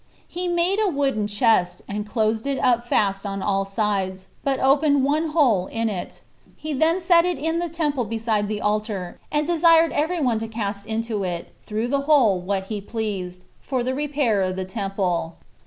He made a wooden chest, and closed it up fast on all sides, but opened one hole in it; he then set it in the temple beside the altar, and desired every one to cast into it, through the hole, what he pleased, for the repair of the temple.